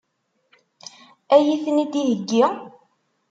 Ad iyi-ten-id-iheggi?